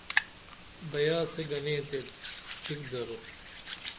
بیاسے گنے تے ٹھیک درو